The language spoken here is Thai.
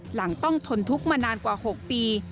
หลังต้องทนทุกข์มานานกว่า๖ปี